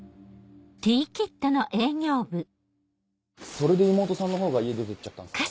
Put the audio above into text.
それで妹さんの方が家出て行っちゃったんすか？